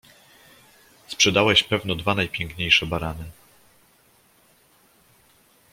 "Sprzedałeś pewno dwa najpiękniejsze barany?"